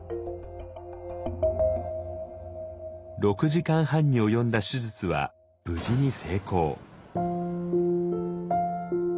６時間半に及んだ手術は無事に成功。